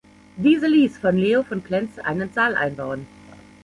Diese ließ von Leo von Klenze einen Saal einbauen.